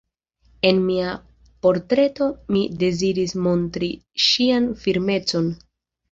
En mia portreto mi deziris montri ŝian firmecon.